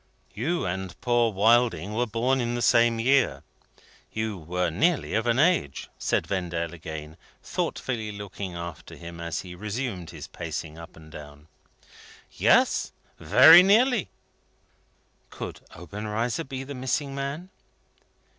"You and poor Wilding were born in the same year. You were nearly of an age," said Vendale, again thoughtfully looking after him as he resumed his pacing up and down. "Yes. Very nearly." Could Obenreizer be the missing man?